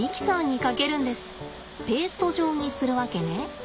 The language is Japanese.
ペースト状にするわけね。